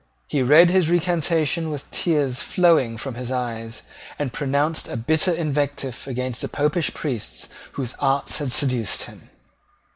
He read his recantation with tears flowing from his eyes, and pronounced a bitter invective against the Popish priests whose arts had seduced him.